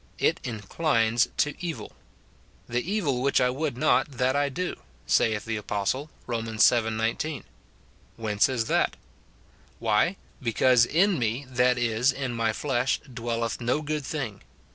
It inclines to evil. " The evil which I would not, that I do," saith the apostle, Rom. vii. 19. Whence is that? Why, " Because in me (that is, in my flesh) dwelleth no good thing."